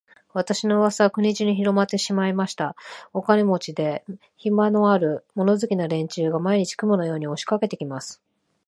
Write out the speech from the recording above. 私の噂は国中にひろまってしまいました。お金持で、暇のある、物好きな連中が、毎日、雲のように押しかけて来ます。